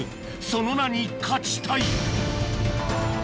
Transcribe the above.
その名に勝ちたい